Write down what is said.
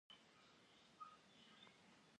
At'e vubgınenu mı khaler?